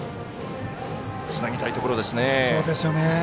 つなぎたいところですよね。